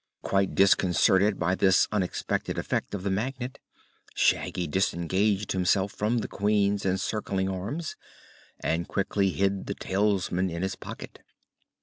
Quite disconcerted by this unexpected effect of the Magnet, Shaggy disengaged himself from the Queen's encircling arms and quickly hid the talisman in his pocket.